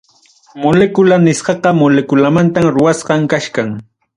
Molécula nisqaqa moleculamanta ruwasqan kachkan.